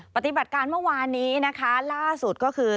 ปฏิบัติการเมื่อวานนี้นะคะล่าสุดก็คือ